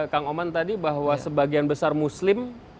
kang oman tadi bahwa sebagian besar muslim